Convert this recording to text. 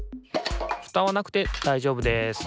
フタはなくてだいじょうぶです。